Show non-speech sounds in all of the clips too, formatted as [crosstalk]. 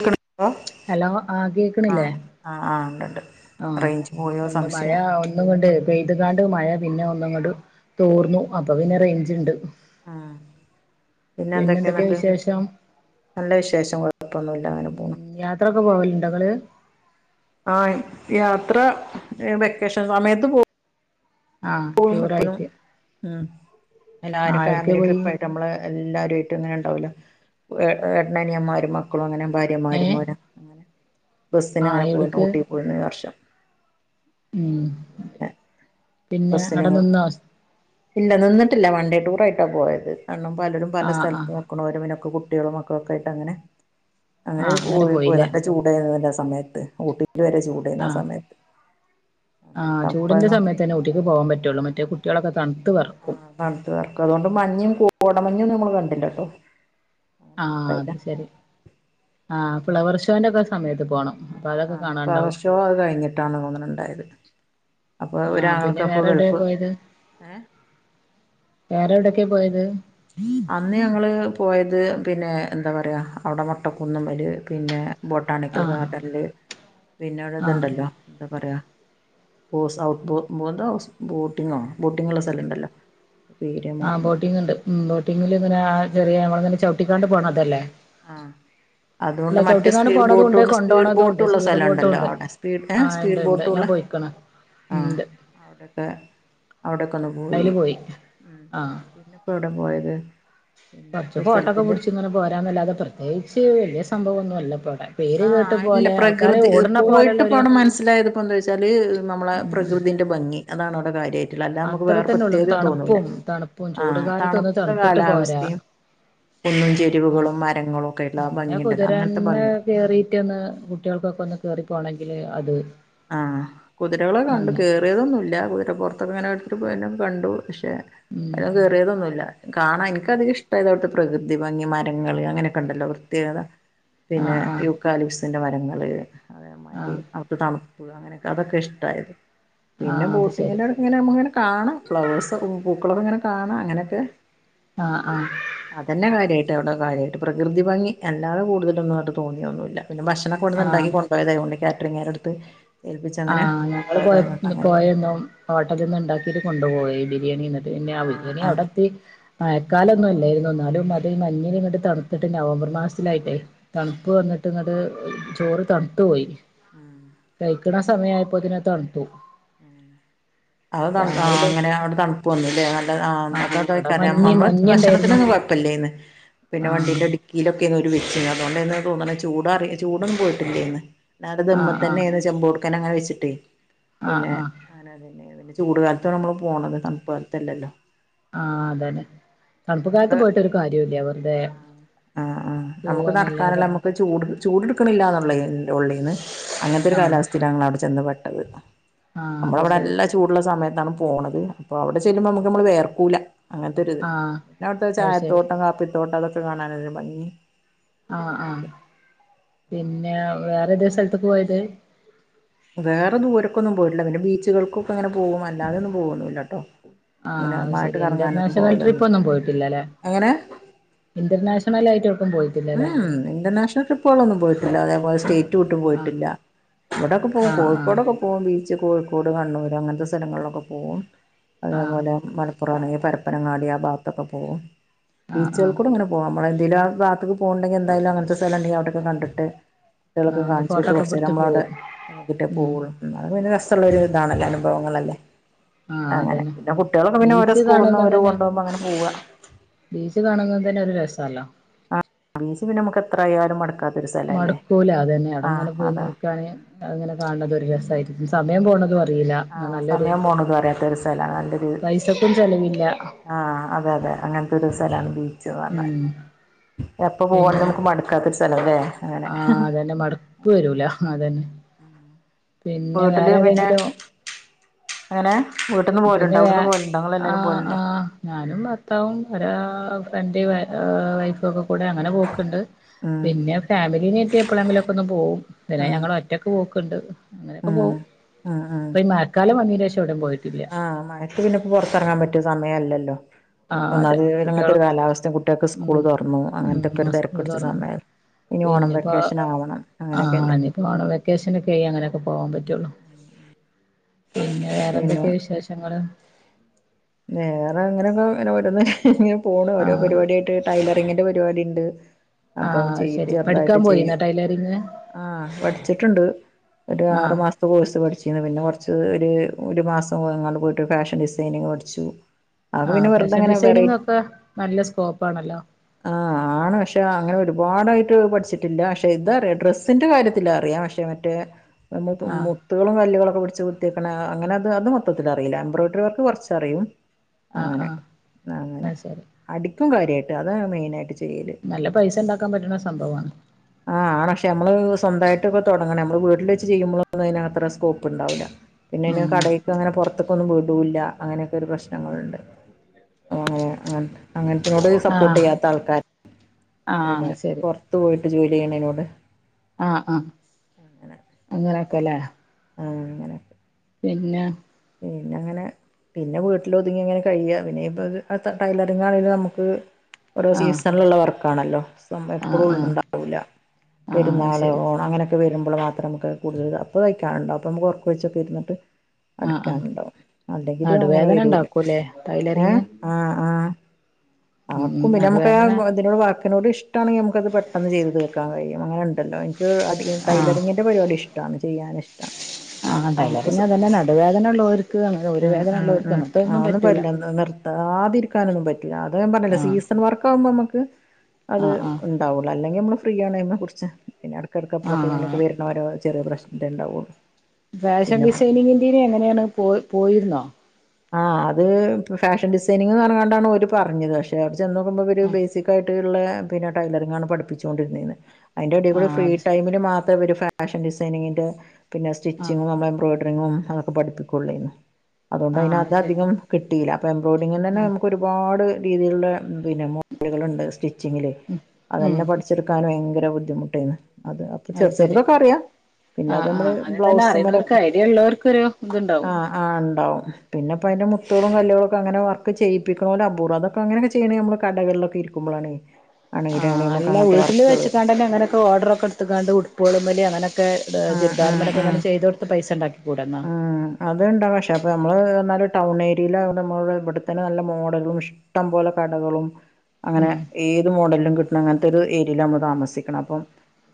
കേൾക്കണണ്ടോ hello ആഹ് കേക്ക്ണില്ലേ? ആഹ് ആഹ് ആഹ് ഉണ്ട്ണ്ട് ആഹ് റേഞ്ച് പോയോ ഉണ്ട് മഴ സംശയം ഒന്നുങ്ങട്ട്. പെയ്തുകാണ്ട് മഴ പിന്നെ ഒന്ന്ങ്ങട്ട് തോർന്നു അപ്പോ പിന്നെ റേഞ്ച് ഉണ്ട്. ആഹ് പിന്നെ എന്തൊക്കെ എന്തൊക്കെയാ ന്നിട്ട് വിശേഷം നല്ല വിശേഷം കെഴപ്പൊന്നുല്ല. ഉം യാത്രൊക്കെ പോവല്ണ്ടോ ഇങ്ങള്? ആഹ് യാത്ര എ വെക്കേഷൻ സമയത്ത് പോ ആഹ് പോവും എപ്പോഴും ടൂറായിട്ട് ഉം എല്ലാരും ആഹ് എവിടക്കെ ഫാമിലി പോയി ട്രിപ്പായിട്ട് നമ്മള്. എല്ലാരും ആയിട്ട് ഇങ്ങനെ ഉണ്ടാവോലോ ഏട്ടൻ അനിയന്മാർ മക്കളും അങ്ങനെ ഭാര് ഏഹ് ഭാര്യമാരും അങ്ങനെ ആഹ് ബസ്സിന്ങ്ങനെ പോയിരുന്നു എവിടക്ക് ഊട്ടി പോയിരുന്നു ഈ വർഷം. ഉം. പിന്നെ പിന്നെ ബസ്സിന് അവിടെ നിന്നോ ഇല്ല നിന്നിട്ടില്ല വൺ ഡേ ടൂർ ആയിട്ടാ പോയത് കാരണം പലരും. പല ആഹ് ആഹ് സ്ഥലത്ത്നിക്കണവരും പിന്നൊക്കെ കുട്ടികളും മക്കളൊക്കെ ആയിട്ട് അങ്ങനെ അങ്ങനെ ആഹ് പോവൽ പോയതാ. പോയില്ലേ ചൂട് ആയിരുന്നില്ലേ ആ സമയത്ത് ഊട്ടിൽ വരെ ചൂട് ആയിരുന്നു ആഹ് സമയത്ത്' ആഹ് ചൂടിന്റെ തണുപ്പായിരുന്നു സമയത്തന്നെ ഊട്ടിക്ക് പോവാൻ പറ്റുള്ളൂ മറ്റേ കുട്ടികളൊക്കെ തണുത്ത് വെറ ആഹ് തണ്ത്ത് വെർക്കും അതുകൊണ്ട് മഞ്ഞും കോടമഞ്ഞും നമ്മൾ കണ്ടില്ലട്ടോ. ആഹ് അത് ശരി ആഹ് ഫ്ലവർ ഷോന്റെ ഒക്കെ സമയത്ത് പോണം. അപ്പൊ അതൊക്കെ ആഹ് കാണാണ്ടാവും ഫ്ലവർഷോ അത് കഴിഞ്ഞിട്ടാണ് തോന്ന്ണു ഉണ്ടായത്. അപ്പോ ആഹ് പിന്നെ ഒരാങ്ങൾക്ക് അപ്പോ വേറെ എവിടെ ഗൾഫ് പോയത് ഏഹ്. വേറെ എവ്ടെയൊക്കെ പോയത്? അന്ന് ഞങ്ങള് പോയത് പിന്നെ എന്താ പറയാ അവിടെ മുട്ടക്കുന്ന്മ്മല് പിന്നെ. ബോട്ടാണിക്കൽ ആഹ് ഗാർഡന്ല് പിന്നെ അവിടെ ആഹ് ഇത്ണ്ടല്ലോ എന്താ പറയാ. ബോസ് ഔട്ട്ബോ എന്തോ ബോട്ടിങ്ങോ ബോട്ടിങ് ഉള്ള സ്ഥലണ്ടല്ലോ. ആഹ് ബോട്ടിങ് ഉണ്ട് ആ ബോട്ടിംഗിൽ ഇങ്ങനെ ആഹ് ചെറിയ ഞമ്മൾ ഇങ്ങനെ ചവിട്ടിക്കാണ്ട് പോണ അതല്ലേ. ആഹ്. അതുംണ്ട് മറ്റേ സ്പീഡ് പോണതും ഉണ്ട് ബോട്ടുണ്ട് സ്പീഡ് കൊണ്ടോണതും ഉണ്ട് ബോട്ട്ള്ള സ്പീഡ് സ്ഥലം ബോട്ടും ഉണ്ടല്ലോ അവ്ടെ സ്പീഡ് ഏഹ് സ്പീഡ് ബോട്ടുള്ള. ക്കണ ആഹ് അവിടൊക്കെ അവിടെക്കെ ഒന്ന് പോയി ആഹ് പിന്നെപ്പോ എവിടെ പോയത് പിന്നെ കുറച്ച് ഒരു ഫോട്ടോ ഒക്കെ സ്ഥലത്തിന്റെ പിടിച്ച ഇങ്ങനെ പോരാന്നല്ലാതെ പ്രത്യേകിച്ച് വലിയ സംഭവം ഒന്നുമല്ല ഇപ്പടെ ആഹ് ഇല്ല പ്രകൃതി പോയിട്ട് പോലെയുള്ള ഒരു പോണം മനസ്സിലായത് ഇപ്പോ എന്താ വെച്ചാല് നമ്മളെ ഉം പ്രകൃതി ഭംഗി അതാണ് അവിടെ കാര്യമായിട്ട് അല്ല നമുക്ക് അത്ര വേറെ തന്നെ ഉള്ളൂ പ്രത്യേകതയും തോന്നൂല്ല തണുപ്പും തണുപ്പും ചൂട് ആഹ് കാലത്ത് ഒന്ന് തണുത്ത തണുത്തിട്ട് പോരാ കാലാവസ്ഥയും കുന്നും ചെരുവകളും ആഹ് മരങ്ങളും ഒക്കെള്ള ആഹ് ഭംഗിയുണ്ടല്ലോ അങ്ങനത്തെ ഭംഗി മറ്റൊന്ന് കുട്ടികൾക്കൊക്കെ ഒന്ന് കേറി പോണെങ്കിൽ അത് ആഹ് കുതിരകളെ കണ്ടു അങ്ങ് കേറി യോതോന്നും ഇല്ല വിടെ പുറത്തൊക്കെ ഇങ്ങനെ എടുത്തിട്ട് കണ്ടു പക്ഷേ ഉം ഞാൻ കേയറിയതൊന്നുമില്ല കാണൻ എനിക്ക അധികം ഇഷ്ടം ഇതുപോലത്തെ പ്രകൃതി ഭംഗി മരങ്ങൾ അങ്ങനെയൊക്കെ ഉണ്ടല്ലോ പ്രത്യേകത പിന്നെ ആഹ് ആഹ് കാലിഫ്സിന്റെ മരങ്ങളല്ലേ അതേ മാതിരി ആഹ് അവിടുത്തെ തണുപ്പ് അങ്ങനെയൊക്കെ അതൊക്കെ ഇഷ്ടമായത് പിന്നെ ആഹ് അത് ശരി ബോട്ടിങ്ങിന്റെ അടക്ക ഇങ്ങനെ നമ്മങ്ങെ കാണാം ഫ്ലവേഴ്സ് പൂക്കളർ ഇങ്ങനെ കാണാം അങ്ങനെയൊക്കെ ആഹ് ആഹ് അതന്നെ കാര്യമായിട്ട് അവിടെ കാര്യമായിട്ട് പ്രകൃതി ഭംഗി അല്ലാതെ കൂടുതലൊന്നുയിട്ട് തോന്നിയൊന്നുമല്ല പിന്നെ ഭക്ഷണം കൂടുന്ന് ആഹ് ഉണ്ടാക്കി കൊണ്ട പോയതുകണ്ട് കാറ്ററിങ്ങകുടുത് ആഹ് ഞങ്ങള് പോയ പോയരുന്നു ഹോട്ടലിൽ നിന്ന് ഉണ്ടാക്കിട്ട് കൊണ്ടുപോയ ഈ ബിരിയാണി എന്നിട്ട് പിന്നെ ആഹ് ബിരിയാണി അവിടത്തി മഴക്കാലൊന്നും അല്ലായിരുന്നു എന്നാലും അത് മഞ്ഞന് ഇങ്ങട്ട് തണുത്തിട്ട് നവംബർ മാസത്തിലായിട്ടേ ഉം തണുപ്പ് വന്നിട്ട് ഇങ്ങട്ട് ചോറ് തണുത്തു പോയി ആഹ് തുറ സമയയപ്പോ തണുത്തു ഉം അത് ആഹ് രാവിലെ അങ്ങനെ അവിടെ തണുപ്പ് വന്നല്ലേ നല്ല ആഹ് അവിടെ അതായിറിയ മഞ്ഞ് നമ്മള് മഞ്ഞുണ്ടായിരുന്നു ഭക്ഷണത്തിനന്നും കുഴപ്പില്ലേന്ന് പിന്നെ ആഹ് വണ്ടിന്റെ സിക്കില് ഒക്കെ അരുന്ന് ഒരു വെച്ച് അതുകൊണ്ടന്ന് തോന്നണ് ചൂടാ ചൂടന്നും പോയിട്ടില്ലേന്ന് എന്ന ആഹ് ദുമ്മത്തന്നെ ആഹ് ചെമ്പ കൊടുക്കൻ അങ്ങനെ വെച്ചിട്ട് ആഹ് പിന്നെ ആഹ് അങ്ങനെതന്നെ പിന്നെ ചൂട് കാലത്ത നമ്മള് പോണത് തണുപ്പ് കാലത്തല്ലല്ലോ ആഹ് അതന്നെ തണുപ്പ അതുകൊണ്ട് കാലത്ത് പോയിട്ടരു കാര്യംല്ലേ ആഹ് വെറുതെ ആഹ് ആഹ് നമുക്ക് പോവാന്നല്ലാതെ നടക്കാനല്ല നമുക്ക് ചൂട് ചൂട്ടുക്കണില്ലന്നുള്ളിൽന്ന് അങ്ങനത്തെ ഒരു ആഹ് കാലാവസ്ഥ സ്ഥയിലാണ് ഞങ്ങൾ അവിടെ ചെന്ന് പെട്ടത് ആഹ് നമ്മള അത് അവിടെ ശരി നല്ലാ ചൂടുള്ള സമയത്താണ് പോണത് അപ്പൊ അവിടെ ചെല്ലുമ്പോൾ നമ്മുക്ക് നമ്മള് വേർകുല അങ്ങനത്തെൊരിത് ആഹ് പിന്നെ അവിടുത്തെ അത് ശരി ചായത്തോട്ടം കാപ്പിത്തോട്ടം അതൊക്കെ കാണാനൊരു ഭംഗി ആഹ് ആഹ് അങ്ങനൊക്കെ പിന്നെ വേറെ ഏത് സ്ഥലത്ത പോയത് വേറെ ദൂരൊക്കൊന്നും പോയിട്ടില്ല പിന്നെ ബീച്ചുകൾക്കൊക്കെങ്ങനെ പോകും അല്ലാതെന്നും പോന്നില്ലാട്ടോ ആഹ് അത് ശരി ഇന്റർനാഷണൽ ട്രിപ്പ് പോവലൊന്നുല്ല ഒന്നും പോയിട്ടില്ലല്ലേ എങ്ങനെ ഇന്റർനാഷണൽ ആയിട്ട് പോയിട്ടി ആഹ് ഇന്റർനാഷണൽട്രിപ്പുകളൊന്നും പോയിട്ടില്ലോ അതേപലെ സ്റ്റേറ്റ് സ്റ്റേറ്റ് വിട്ടു ആഹ് പോയിട്ടില്ല ഇവിടെയൊക്കെ പോകും ആഹ് ആഹ് കോഴിക്കോടൊക്കെ പോവും ബീച്ച് കോഴിക്കോട് കണ്ണൂർ അങ്ങനത്തെ സ്ഥലങ്ങളിലൊക്കെ പോകും ആഹ് അതേപോലെ മലപുറം പ്പുറ ആണെങ്കിൽ പരപ്പനങ്ങാടി ആഹ് ഭാഗത്തൊക്കെ പോകും ആഹ് ബീച്ചുകൾ ആഹ് കൂടി ഇങ്ങനെ പോകും നമ്മള എന്തേലും ആഹ് ഭാഗത്ത പോകുണ്ടെ‌ക്കി എന്തായാലും അങ്ങനത്തെ സ്ഥലം ഉണ്ടകിൽ അവിടെക്ക കണ്ടിട്ട് കുട്ടികളൊക്കെ ആഹ് ഒന്ന് കാണിച്ചുട്ട് ഫോട്ടോ ഒക്കെ കുറച്ച നേരം പിടിത്ത് നമ്മൾ അവിടെ പോവും നോക്കിട്ടെ ഉം പോക്കുള്ളൂ അത് പിന്നെ രസുള്ള ഒരു ഇതണല്ലേ അനുഭവങ്ങളല്ലേ ആഹ് അങ്ങനെ അതന്നെ പിന്നെ കുട്ടികളൊക്കെന്നെ ഓരോ ബീച്ച് സ്കൂളിൽ നിന്ന് കാണുന്നത് ഒരോ തന്നെ കൊണ്ടുപോകുമ്പോ അങ്ങനെ പോവാ ബീച്ച് കാണുന്ന തന്നെ ഒരു രസല്ലോ ആഹ് ബീച്ച് പിന്നെ നമക്ക് എത്രയാലും മടുക്ക മടക്കൂല അത് തന്നെ അട ഇങ്ങനെ പോയി അതാ നിക്കാൻ അങ്ങനെ കാണ ഒരു രസമായിരിക്കും സമയം പോകണത് അറില ആഹ് നല്ലരു സമയം പോണത് അറിയാത്തൊരു സ്ഥലാണ് നല്ലൊരു പൈസക്കും ചെലവില്ല ആഹ് അതെ അതെ അങ്ങനത്തെ ഒരു സ്ഥലാണ് ബീച്ച്ന്ന് പറഞ്ഞാല് ഉം എപ്പൊ പിൻ പോവാണെങ്കിലും നമ്മുക്ക് മടു ക്കാത്തൊരു സ്ഥലല്ലേ അങ്ങനെ ആഹ് അതന്നെ മടുപ്പ് വരൂല അതന്നെ പിന്നെ വേറെ ഏതെങ്കിലും എങ്ങനെ വീട്ട്ന്ന് പിന്നെ പോവലുണ്ടേ വേ അവിടുന്ന് പോവലുണ്ടേ ഇങ്ങള് എല്ലാരും ആഹ് പോവലുണ്ടേ ആഹ് ഞാനും ഭർത്താവും ഓരെ ഫ്രണ്ട് വൈഫും ഒക്കെ കൂടെ അങ്ങനെ പോക്കുണ്ട് ഉം പിന്നെ ഫാമിലീനായിട്ട് എപ്പോഴെങ്കിലൊക്കൊന്ന് പോവും പിന്നെ ഉം ഞങ്ങള് ഒറ്റക്ക് പോക്ക്ണ്ട് അങ്ങനൊക്കെ പോവും ആഹ് ആഹ് ഇപ്പൊ ഈ മഴക്കാലം വന്നീനേഷം എവിടേം പോയിട്ടില്ല ആഹ് മഴക്ക് പിന്നെപ്പെ പൊറത്തിറങ്ങാൻ പറ്റിയ സമയല്ലല്ലോ ആഹ് അതെ ഒന്നാമത് പിന്നെ കുട്ട്യാള് അങ്ങനത്തൊരു കാലാവസ്‌ഥെം കുട്ടികൾക്ക് സ്കൂള് ഉം തൊറന്നു അങ്ങനത്തൊക്കെ ഉം ഒരു തെരക്ക് സ്കൂള് പിടിച്ച തൊറന്ന് സമയ ഇനി ഓണം പിന്നെപ്പോ വെക്കേഷൻ ആവണം ആഹ് അങ്ങനൊക്കല്ലേ ഇനിയിപ്പോ ഓണം വെക്കേഷനൊക്കെയെ അങ്ങനൊക്കെ പോവാൻ പറ്റുള്ളൂ പിന്നെ പിന്നെ വേറെന്തൊക്കെയ വിശേ ശേഷങ്ങള് വേറെ ഇങ്ങനങ്ങ് ഇങ്ങനെ ഓരോന്ന് ഇങ്ങനെ പോണ് ഓരോ ആഹ് പരിപാട്യായിട്ട് ടൈലറിങ്ങിന്റെ പരിപാടി ഇണ്ട് അപ്പൊ ആഹ് ചെയ്യും ശരി ചെറുതായിട്ട് പഠിക്കാൻ ചെയ്യും പോയിന്നോ ടൈലറിങ് ആഹ് പഠിച്ചിട്ടുണ്ട് ഒരു ആറു ആഹ് മാസം കോഴ്സ് പഠിച്ചീന് പിന്നെ കൊറച്ച് ഒരു മാസം പേയ്ങ്ങാള് പോയിട്ട് ഫാഷൻ ഡിസൈനിങ്ങ് പഠി ച്ചു ആഹ് ഫാഷൻ ഡിസൈനിങ് ഒക്കെ നല്ല സ്കോപ്പാണല്ലോ ആഹ് ആണ് പക്ഷെ അങ്ങനെ ഒരുപാടായിട്ട് പഠിച്ചിട്ടില്ല പക്ഷെ ഇതറിയ ഡ്രസ്സിന്റെ കാര്യത്തില് അറിയാം പക്ഷെ മറ്റേ മ് ആഹ് മുത്തുകളും കല്ലുകളൊക്കെ പിടിച്ച് കുത്തിക്കണ അങ്ങനത് അത് മൊത്തത്തില് അറിയില്ല എംബ്രോയ്ഡറി വർക്ക് കൊറച്ച് ച്ച് അറിയും ആഹ് ആഹ് അത് ശരി അടിക്കും കാര്യായിട്ട് അത് മെയിനായിട്ട് ചെ നല്ല പൈസ ഇണ്ടാക്കാൻ പറ്റുന്ന സംഭവവാണ് ആഹ് ആഹ് പക്ഷെ അമ്മള് സ്വന്തായിട്ടൊക്കെ തൊടങ്ങണെ നമ്മള് വീട്ടില് വെച്ച് ചെയുമ്പോഴൊന്നും അതിന് അത്ര സ്കോപ്പ് ഇണ്ടാവൂല്ല പിന്നയ്ന് ഉം കടയ്ക്ക് അങ്ങനെ പൊറത്തെക്കൊന്നും വിടൂല്ല അങ്ങനൊക്കെ ഒരു പ്രശ്നങ്ങളുണ്ട് അങ്ങനെ അങ്ങ അങ്ങനെ അതിനോട് സപ്പോർട്ട് ആഹ് ചെയ്യാത്ത ആൾക്കാര് പിന്നെ ആഹ് ശരി പൊറത്ത് പോയിട്ട് ജോലി ചെയ്യണതിനോട് ആഹ് ആഹ് അങ്ങനൊക്കെല്ലേ ആഹ് അങ്ങനെ പിന്നെ പിന്ന അങ്ങനെ പിന്നെ വീട്ട്ലൊതുങ്ങി ഇങ്ങനെ കഴിയ പിന്നെ ഇപ്പ ആ ടൈലറിങ്ങ് അറിണെ നമ്മക്ക് ഓരോ ആഹ് സീസണിലുള്ള വർക്കാണല്ലോ ആഹ് എപ്പോഴും ഉള്ള ആഹ് ഉണ്ടാവൂല്ല ആഹ് അത് പെരുന്നാള് ശരി ഓണം അങ്ങനെ ഒക്കെ വരുമ്പോൾ മാത്രം നമ്മക്ക് കൂടുതല് അപ്പോ തയ്ക്കാനുണ്ടാവും അപ്പോ നമ്മുക്ക് ഒറക്കൊഴിച്ചൊക്കെ ഇരുന്നിട്ട് ആഹ് ആഹ് അടിക്കാനുണ്ടാവും അല്ലെങ്കില് അങ്ങനെ നടുവേദന വരൂല ഉണ്ടാക്കൂല്ലേ ടൈലറിങ് ഏഹ് ആഹ് ആഹ് ഉം ആർക്കും പിന്നെ അമ്മുക്ക് നടുവേദന ഇതിനോട് വർ ഇതിനോട് ഇഷ്ടാണെങ്കി നമ്മുക്കത് പെട്ടന്ന് ചെയ്ത് തീർക്കാൻ കഴിയും അങ്ങന്ണ്ടല്ലോ എനിക്ക് അധികം ആഹ് ടൈലറിന്റെ പരിപാടി ഇഷ്ടം ട്ടാണ് ചെയ്യാൻ ഇഷ്ട്ടാ ആഹ് ടൈലറിങ്ങ് അതന്നെ നടുവേദന ഉള്ളോര്ക്ക് അങ്ങനെ ഊര ഉം വേദന ഉള്ളോര്ക്ക് അങ്ങനത്തെ ഒന്നും പറ്റൂല ആദിരിക്കാനൊന്നും പറ്റില്ല അത് ഞാൻ പറഞ്ഞില്ലേ ആഹ് സീസൺ വർക്ക് ആവുമ്പോ നമ്മക്ക് അത് ആഹ് ആഹ് ഉൻ ണ്ടാവുല്ല അല്ലെങ്കി അമ്മള് ഫ്രീയാണ് അതിനെ കുറിച്ച് പിന്നെ എടക്കെടക്കെപ്പോഴെങ്കിലും ആഹ് വരണവരെ ഓരോ ചെറിയ പ്രശ്നം ഇണ്ടാവും ഫാഷൻ ഡിസൈനിങ്ങ്ന്റിരിയ എങ്ങനാണ് പോ പോയിരുന്നോ ആഹ് അത് ഫാഷൻ ഡിസൈനിങ്ന്ന് പറഞ്ഞോണ്ടാണ് ഓര് പറഞ്ഞത് പക്ഷെ അവടെ ചെന്ന് നോക്കുമ്പോ ഒരു ആ ബേസിക് ആയി ട്ട്ള്ള പിന്നെ ടൈലറിങ്ങാണ് പഠിപ്പിച്ചോണ്ടിരുന്നേന് അതിന്റെ ആ എടെകൂടെ ഫ്രീ അത് ശരി ടൈമില് മാ ത്രം ഇവര് ഫാഷൻ ഡിസൈനിങ്ങിന്റെ പിന്നെ ആ സ്റ്റിച്ചിങ്ങും എംബ്രോയ്ഡറിങ്ങും അങ്ങന പഠിപ്പിക്കൊള്ളേയ്ന്ന് അതോണ്ട് ആ അയ്‌ന് അത് ശരി അതധികം കിട്ടീല അപ്പോ എംബ്രോയിഡിങ്ങ്ന്നന്നെ നമ്മുക്കൊരു പാട് രീതിയിലുള്ള പിന്നെ മോഡലുകളുണ്ട് സ്റ്റിച്ചിങ്ങില് ഉം അതെന്നെ പഠി ച്ചെടുക്കാന് ഭയങ്കര ബുദ്ധിമുട്ടേയ്ന്ന് അത് അപ്പൊ ചെർ ചെർതൊക്കെ അറിയാ പിന്ന അത് അമ്മള് ബ്ലൗസ്മലൊക്കെ ഈ ഇള്ളവർക്കൊരു ആഹ് ആഹ് ഇണ്ടാവും പിന്നെപ്പ അയ്ന്റെ മുത്തുകളും കല്ലുകളൊക്കെ അങ്ങനെ വർക്ക് ചെയ്യിപ്പിക്ക്‌നോല് അപൂർവ്വാ അതൊ പ്പൊ അങ്ങനൊക്കെ ചെയ്യണെ ഞമ്മള് കടകളിലൊക്കെ ഇരിക്കുമ്പളാണേ [inaudible] ആണെങ്കില് ആഹ് നമുക്ക് അല്ല അങ്ങനത്തെ വീട്ട്ല് വർക്കുകള് വെച്ച്ക്കാണ്ടന്നെ അങ്ങനൊക്കെ ഓർഡറൊക്കെ ഇട്ത്ത്കാണ്ട് ഉട്പ്പേള്മ്മല് അങ്ങനൊക്കെ ടെ ആഹ് ആഹ് ചുര്ദാർമ്മലൊ ആഹ് ക്കങ്ങനെ ചെയ്തൊട്ത്ത് പൈസണ്ടാക്കിക്കൂടെന്നാ ആഹ് അത്ണ്ടാവും പക്ഷേ അപ്പോ ഞമ്മള് പറഞ്ഞാല് ടൗൺ ഏരിലായൊണ്ട് നമ്മളെ ബട്തന്നെ നല്ല മോഡലും ശ് ഷ്ടം പോലെ കടകളും അങ്ങനെ ഉം ഏത് മോഡൽലും കിട്ടണങ്ങനത്തെരു ഏരീല നമ്മൾ താമസിക്ക്‌ണഹ് അപ്പം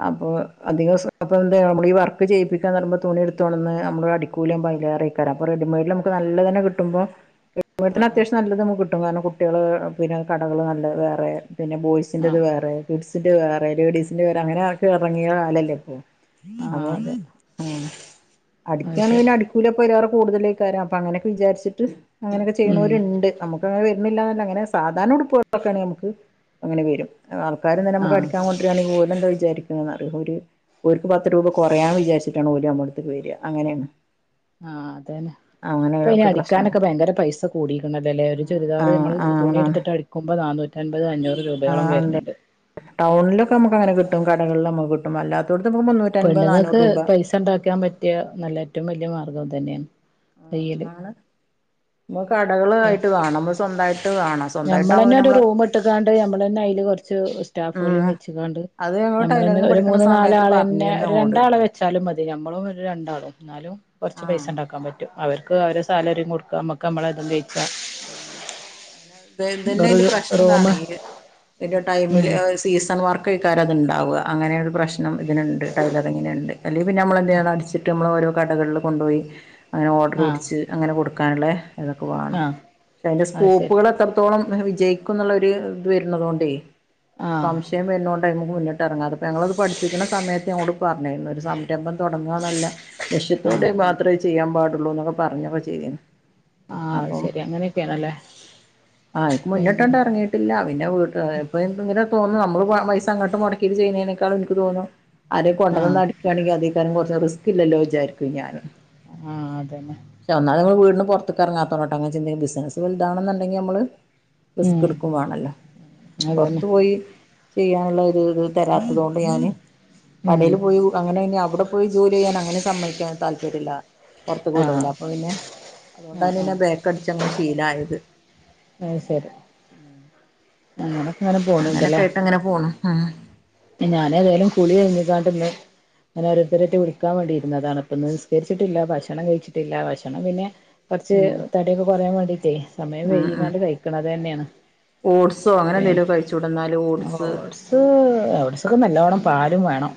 അപ്പൊ അധികസം പ്പൊ എന്ത നമ്മളീ വർക്ക് ചെയ്യിപ്പിക്കാന്ന് പറീമ്പൊ തുണി എടുത്തോണന്ന് നമ്മള് അടി ക്കൂലിയാമ്പോ ആയിലേറൈക്കാരം അപ്പൊ റെഡിമെയ്ഡ്ലമ്മക്ക് നല്ലതെന്നെ കിട്ടുമ്പോ ആ വ്ട്തന്നെ ആ അത്യാവശ്യം നല്ലത് നമുക്ക് കിട്ടും കാരണം കുട്ട്യോള് പിന്നെ കടകള് നല്ല വേറെ പിന്നെ ആ ബോയ്സിൻന്റെത് വേറെ കിഡ്സ്‌ന്റെവേറെ ലേഡീസിന്റെ വേറെ അങ്ങനെയൊക്കെ എറങ്ങിയ കാലല്ലേ ഇപ്പൊ ആ അപ്പൊ അതെ ഉം അത് ഒക്കെയാണ് ശരി പിന്നെ അടിക്കൂലിക്കെ അയ്ലേറെ കൂടുതലക്ക്യാര അപ്പം അങ്ങനക്കെ വിചാരിച്ച്ട്ട് അങ്ങനൊക്കെ ഉം ചെയ്യണോരേ ഇണ്ട് ഞമ്മ ഇപ്പൊ അങ്ങനെ വരുന്നില്ലാന്നല്ല അങ്ങനെ സാധാരണ ഉടുപ്പളൊക്കെണേൽ ഞമ്മക്ക് അങ്ങനെ വെരും ആൾക്കാര് തന്നെ ഞമ്മക്ക് ആ അടിക്ക്യാ കൊ [unintelligible] രാനെയ് ഏ [unintelligible] വിചാരിക്കുന്നന്ന്റിയ ഒരു ഓര്ക്ക് പത്ത് രൂപ കുറയാന്ന് വിചാരിച്ചിട്ടാണ് ഓര് അമ്മളെട്ത്ക്ക് വെര അങ്ങനെണ് ആഹ് അതേനെ ഇപ്പൊ അയ്‌ന് അങ്ങനെയൊക്കെ പ്രശ്നം അടിക്കാനൊക്കെ ഭയങ്കര പൈസ കൂടീക്ക്ണല്ലലെ ഒരു ആഹ് ചുരിദാറ് ആഹ് നമ്മള് ആഹ് ആണ് ആണ് തുണിട്ത്തിട്ട് അട് ക്കുമ്പ ന്നാന്നൂറ്റൻമ്പത് അഞ്ഞൂറ് രൂപയോളം വെര്ന്ണ്ട് ടൗൺലൊക്കെ നമുക്കങ്ങനെ കിട്ടും കടകള്ൽ നമുക് ട്ടുംഅല്ലാത്തോട്ത്ത് നമ്മക്ക്‌ മുന്നൂ പെണ്ണ്ങ്ങക്ക് പൈസണ്ടാക്കാൻ പറ്റിയ നല്ല ഏറ്റവും വല്ല്യ മാർഗ്ഗം ഇതന്നെണ് ആഹ് ആണ് നമുക്ക് കടകളായിട്ട് വേണം നമ്മൾ സ്വന്തമായിട്ട് വേണം സ്വന്തമായിട്ടാകുമ്പോ ഞമ്മളെന്നെ പിന്നെ ഒരു നമ്മള് റൂമ്ട്ട്ക്കാണ്ട് ഞമ്മളെന്നെ അയ്ല് കൊറ ച്ച് സ്റ്റാഫാളീം ഉം വെച്കാണ്ട് അത് ഞങ്ങള് ഞമ്മളെന്നെ ടൈലറിങ് ഒരു പഠിക്കണ മൂന്ന് സമയത്ത് നാലാളെന്നെ പറഞ്ഞിരുന്നു ഒരു ഞങ്ങളോട് രണ്ടാളെ വെച്ചാലും മതി ഞമ്മളും ഒരു രണ്ടാളും ന്നാലും കൊർച്ച് ആഹ് പൈസണ്ട ക്കാം പറ്റും അവർക്ക് അവരെ സാലറിം കൊട്ക്കാ മ്മക്ക് മ്മളെ തും ഉം അയ്നഹ് തെയ് ന്തെന്നെ ഒരു അയ്ന്റെ റൂമ് പ്രശ്നംതാണെയ് അയ്‌ന്റെ ടൈമില് ഉം സീസൺ വർക്കെയ്ക്കാരം അത്ണ്ടാവാ അങ്ങനെയൊര് പ്രശ് നം ഇതിന്ണ്ട് ടൈലറിങ്ങിന്ണ്ട് അല്ലെ പിന്നെ അമ്മളെന്തയ്യണം അടിച്ചിട്ട് നമ്മൾ ഓരോ കടകളിൽ കൊണ്ടോയി അങ്ങനെ ഓർഡർ ആഹ് പുട്ച്ച് അങ്ങനെ കൊടുക്കാന്ള്ളെ ഇതൊക്കെ വാണം ആഹ് ശ്ശെ അയ്ന്റെ അത് ശരി സ്കോപ്പുകള് എത്രത്തോളം വിജയിക്കുംന്നുള്ള ഒരു ത് വരുന്നതോണ്ടേയ് ആഹ് സം ശയം വെര്നോണ്ട് അയ്മ്മക്ക് മുന്നിട്ട്റങ്ങാതെ പ്പൊ ഞങ്ങളത് പഠിപ്പിക്ക്‌ണ സമയത്ത് ഞങ്ങളോട് പറഞ്ഞിരുന്നു ഒര് സംരംഭം തൊടങ്ങാന്നല്ല ആഹ് ലക്ഷ്യത്തോടെ മാത്രെ ആയ് ചെയ്യാൻ പാടുള്ളൂ ന്നൊക്കെ പറഞ്ഞൊക്കെ ചെയ്തിനി ആഹ് അയ് ശരി അങ്ങനെക്കെ ഉം ആഹ് അയ്ക്ക് പിന്നെ മുന്ന്ട്ടാണ്ടെർ ങ്ങിട്ടില്ല പിന്നെ വീട്ട് ഇപ്പ ഇങ്ങനെ തോന്നു അമ്മള് പൈസ അങ്ങോട്ട് മുടക്കിട്ട് ചെയ്യുന്നേനെക്കാളും ഇൻക്ക് തോന്നാ ആരേം ആഹ് കൊണ്ടെന്നെന്ന അടിക്കാണെങ്കി അതേയ്ക്കാരംകൊർച് റിസ്ക് ല്ലല്ലോ വിചാരിക്കും ഞാന് ആഹ് അതന്നെ ക്ഷേ ഒന്നാമതമ്മള് വീടിന് പൊർത്ത്ക്കെറങ്ങാത്തോണ്ടാട്ടോ അങ്ങെ ചിന്തിക്ക്‌ന്ന് ബിസിനസ് വൽതാവണന്ന്ണ്ടെങ്കി നമ്മള് ഉം റിസ്ക്ക്‌ട്ക്കും വേണല്ലോ അതന്നെ പൊർത്ത് പോയി ചെയ്യാന്ള്ള ഒര് രു തരാത്തതോണ്ട് ഞാന് ഉം കടേൽ പോയി അങ്ങനെ അയ്‌ന് അവിടെ പോയി ജോലി ചെയ്യാൻ അങ്ങനെ സമ്മയ്ക്കാൻ താല്പര്യല്ല പൊർത്ത്ക്ക് വിടൂല ആഹ് അപ്പൊ പിന്നെ അതുകൊണ്ടാന് പിന്നെ ബേക്കടിച്ചങ്ങനെ ശീലായത് അയ്ശരി അങ്ങനൊക്കെങ്ങനെ പോണ് ണ്ട്ല്ലേ അങ്ങനെപോണ് ആഹ് ഞാൻ ഏതായാലും കുളി കഴഞ്ഞിക്കാണ്ടിന്നെ ഞാൻ ഓരോരുത്തരായിട്ട് വിളിക്കാൻ വേണ്ടിയിരുന്നതാണ് പ്പൊന്ന് നിസ്കരിച്ചിട്ടില്ല ഭക്ഷണം കഴിച്ചിട്ടില്ല ഭക്ഷണം പിന്നെ കൊറച്ച് ഉം ഉം തടിയൊക്കെ കൊറയാൻ വേണ്ടിട്ടെ സമയം ഉം ഉം വൈകിക്കാണ്ട് കഴിക്കണം അതന്നെയാണ് ഓട്സോ അങ്ങനെ എന്തെലും കഴിച്ചൂടെ എന്നാല് ആ ഓട്സ് ഓട് സ് അത് ഓട്സൊക്കെ നല്ലോണം പാലും വേണം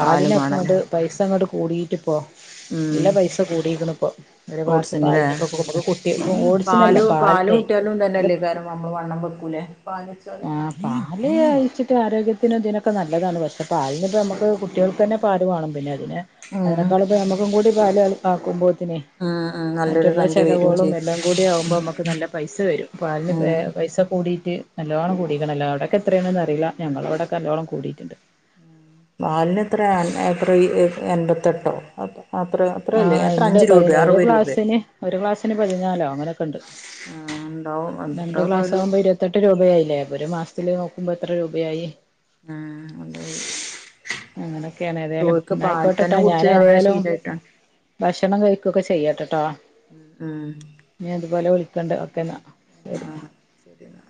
പാലും വേണല്ലേ കൊണ്ട് പൈസങ്ങോട്ട് കൂടിയിട്ടിപ്പൊ നല്ല ഉം പൈസ കൂടിക്ക്ണു ഇപ്പൊ ഒരു ക്ലാസ്സ്‌ ഓട്സിന്ല്ലേ പാലിനിപ്പൊ കൂട്ടി ഓട്സിനല്ല പാലിനെ ട്ടികളും [unintelligible] അത് തന്നെല്ലേ കാര നമ്മള് വണ്ണം വെക്കൂലേ പാലുടിച്ചാല് ആഹ് പാല് അയച്ചിട്ട് ആരോഗ്യത്തിനും ഇതിനൊക്കെ നല്ലതാണ് പക്ഷെ പാലിന് ഇപ്പ നമുക്ക് കുട്ടികൾക്ക് തന്നെ പാല് വേണം പിന്നെ അതിനെ ഉം അതിനേക്കാളും ഇപ്പൊ നമുക്കും കൂടി പാല് ആക്കുമ്പോത്തിനെ ഉം ഉം നല്ലൊരു മറ്റുള്ള സംഖ്യ വരും ചെലവുകളും ചെയ്യും എല്ലാം കൂടി ആവുമ്പൊ നമുക്ക് നല്ല പൈസ വരും പാലിന് ഉം പൈസ കൂടിയിറ്റ് നല്ലോണം കൂടിക്കണല്ലോ അവിടക്കെ എത്രയാണെന്ന് അറിയില്ല ഞങ്ങളിവിടെക്കെ നല്ലോണം കൂടിയിട്ടുണ്ട് പാലിനെത്രയാ ഏപ്രിൽ എൺപത്തെട്ടൊ അപ്പോൾ ഏപ്രിൽ ആഹ ഇണ്ട്പ്പതിന് ഒരു ഗ്ലാസ്സിന് ഒരു ക്ലാസ്സിന് പതിനാലോ അങ്ങനൊക്കെ ഉണ്ട് ആഹ ഉണ്ടാവും അത്രക്കരു പത്തെട്ട് രൂപയായില്ലേ ഒരു മാസത്തില് നോക്കുമ്പൊ എത്ര രൂപയായി ആഹ് അതെ അങ്ങനെയൊക്കെയാണ് ഏതായാലും ചോർക്ക് എന്നാ പാൽ ആയിക്കോട്ടെട്ടോ തന്നെ കുടിച്ച് അങ്ങനെ ഞാനേതായാലും ശീലായിട്ടാണ് ഭക്ഷണം കഴിക്കൊക്കെ ചെയ്യട്ടെ ട്ടോ ഉം ഉം ഇനി അതുപോലെ വിളിക്കണ്ട് ഓ ക്കെന്ന ആഹ് ശരി എന്നാ